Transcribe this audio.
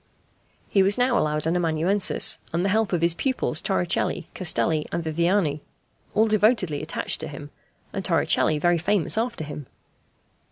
He was now allowed an amanuensis, and the help of his pupils Torricelli, Castelli, and Viviani, all devotedly attached to him, and Torricelli very famous after him.